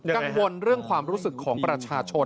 กังวลเรื่องความรู้สึกของประชาชน